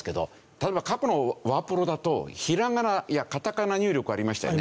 例えば過去のワープロだとひらがなやカタカナ入力ありましたよね。